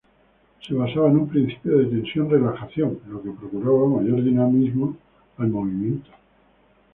Se basaba en un principio de tensión-relajación, lo que procuraba mayor dinamismo al movimiento.